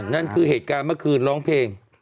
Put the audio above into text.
นั่นคือเหตุการณ์เมื่อคืนร้องเพลง